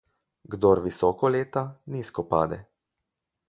Kdor visoko leta, nizko pade.